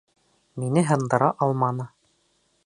Мине һындыра алманы.